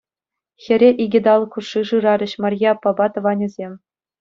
Хӗре икӗ талӑк хушши шырарӗҫ Марье аппапа тӑванӗсем.